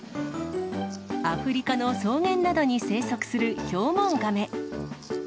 アフリカの草原などに生息するヒョウモンガメ。